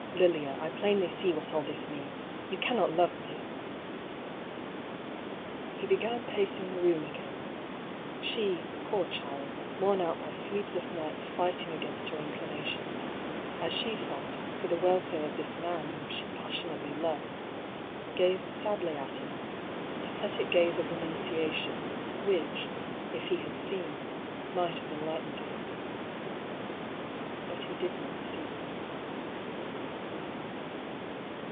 Lilia, I plainly see what all this means. You cannot love me !" He began pacing the room again. She, poor child, worn out by sleepless nights fighting against her incli nations — as she thought, for the welfare of this man whom she passionately loved — ^gazed sadly at him, a pathetic gaze of renunciation, which, if he had seen, might have enlightened him. But he did not see.